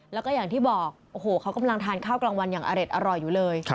แล้วก็อย่างที่บอกโอ้โหเขากำลังทานข้าวกลางวันอย่างอเด็ดอร่อยอยู่เลย